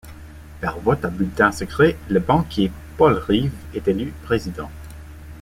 Par vote à bulletins secrets, le banquier Paul Rive est élu Président.